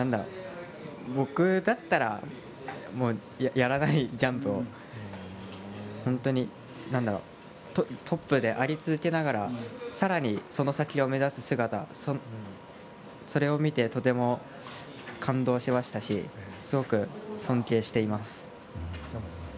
僕だったら、やらないジャンプを本当にトップであり続けながら更にその先を目指す姿それを見てとても感動しましたしすごく尊敬しています。